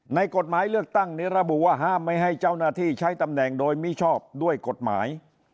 ในกฎหมายเลือกตั้งนี้ระบุว่าห้ามไม่ให้เจ้าหน้าที่ใช้ตำแหน่งโดยมิชอบด้วยกฎหมาย